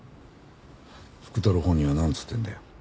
福太郎本人はなんつってんだよ？